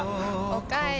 おかえり。